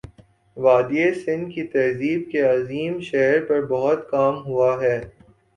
وادیٔ سندھ کی تہذیب کے عظیم شہر پر بہت کام ہوا ہے